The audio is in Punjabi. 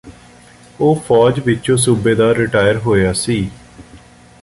ਉਹ ਫੌਜ ਵਿੱਚੋ ਸੂਬੇਦਾਰ ਰਿਟਾਇਰ ਹੋਇਆ ਸੀ